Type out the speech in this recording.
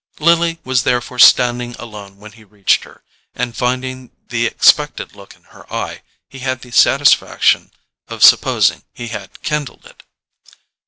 Lily was therefore standing alone when he reached her; and finding the expected look in her eye, he had the satisfaction of supposing he had kindled it.